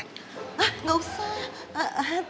hah nggak usah